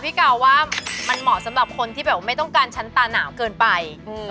กาวว่ามันเหมาะสำหรับคนที่แบบไม่ต้องการชั้นตาหนาวเกินไป